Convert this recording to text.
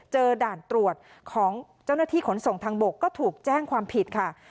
ด่านตรวจของเจ้าหน้าที่ขนส่งทางบกก็ถูกแจ้งความผิดค่ะ